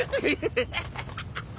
ハハハハ。